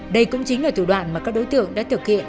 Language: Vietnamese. đây cũng chính là thủ đoạn mà các đối tượng đã thực hiện